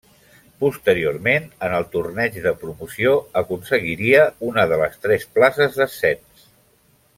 Posteriorment, en el Torneig de Promoció, aconseguiria una de les tres places d'ascens.